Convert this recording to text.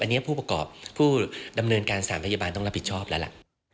อันนี้ผู้ประกอบผู้ดำเนินการสถานพยาบาลต้องรับผิดชอบแล้วล่ะ